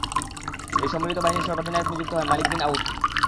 এই সম্মিলিত বাহিনীর সর্বাধিনায়ক নিযুক্ত হয় মালিক বিন আওফ।